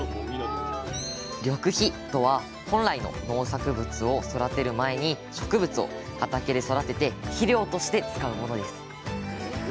緑肥とは本来の農作物を育てる前に植物を畑で育てて肥料として使うものです。